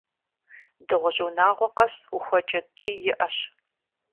Дыгъужь унагъуэ къэс ухуэкӏэ ткӏий иӏэщ.